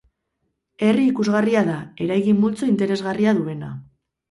Herri ikusgarria da, eraikin multzo interesgarria duena.